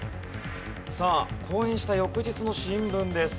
さあ公演した翌日の新聞です。